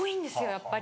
やっぱり。